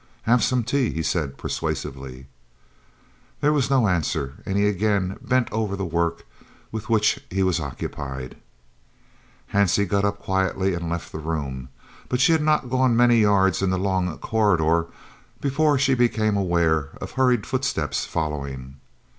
"Have some tea," he said persuasively. There was no answer, and he again bent over the work with which he was occupied. Hansie got up quietly and left the room, but she had not gone many yards in the long corridor before she became aware of hurried footsteps following.